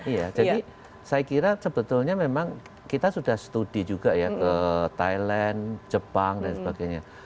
iya jadi saya kira sebetulnya memang kita sudah studi juga ya ke thailand jepang dan sebagainya